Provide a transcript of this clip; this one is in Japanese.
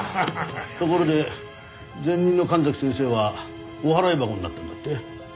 ところで前任の神崎先生はお払い箱になったんだって？